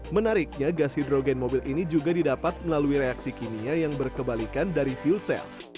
menariknya gas hidrogen mobil ini juga didapat melalui reaksi kimia yang berkebalikan dari fuel cell